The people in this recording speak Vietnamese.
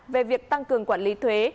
về việc tăng cường quản lý thuế